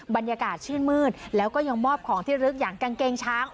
บรรยากาศชื่นมืดแล้วก็ยังมอบของที่ลึกอย่างกางเกงช้าง